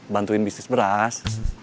bantuin bisnis beras